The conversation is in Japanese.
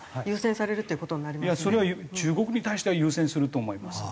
それは中国に対しては優先すると思います。